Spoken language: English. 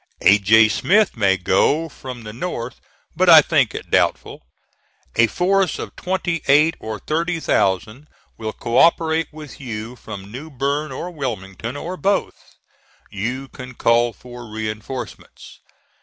A. J. Smith may go from the north, but I think it doubtful. A force of twenty eight or thirty thousand will co operate with you from New Bern or Wilmington, or both. You can call for reinforcements.